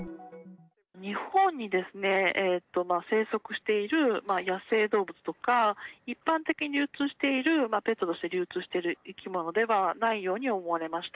日本に生息している野生動物とか、一般的に流通している、ペットとして流通している生き物ではないように思われました。